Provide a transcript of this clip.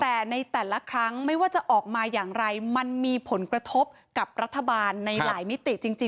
แต่ในแต่ละครั้งไม่ว่าจะออกมาอย่างไรมันมีผลกระทบกับรัฐบาลในหลายมิติจริง